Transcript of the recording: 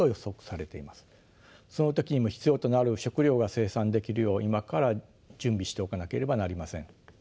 その時にも必要となる食糧が生産できるよう今から準備しておかなければなりません。